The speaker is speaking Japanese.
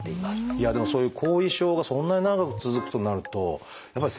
いやでもそういう後遺症がそんなに長く続くとなるとやっぱり生活とかね